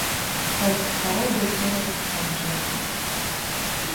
Эх, скарэй бы ўсё гэта скончылася!